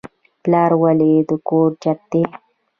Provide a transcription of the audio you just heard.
پلار ولې د کور چت دی؟